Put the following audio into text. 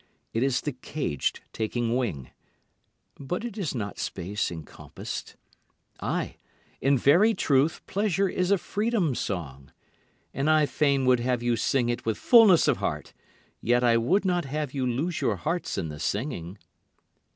It is the caged taking wing, But it is not space encompassed. Ay, in very truth, pleasure is a freedom song. And I fain would have you sing it with fullness of heart; yet I would not have you lose your hearts in the singing.